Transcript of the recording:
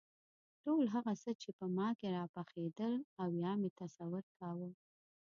ټول هغه څه چې په ما کې راپخېدل او یا مې تصور کاوه.